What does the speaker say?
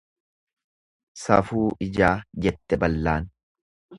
Safuu ijaa jette ballaan.